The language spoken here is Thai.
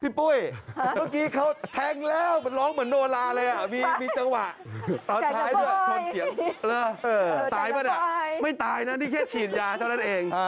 ปุ้ยเมื่อกี้เขาแทงแล้วมันร้องเหมือนโนลาเลยมีจังหวะตอนท้ายด้วยชนเสียงตายป่ะไม่ตายนะนี่แค่ฉีดยาเท่านั้นเอง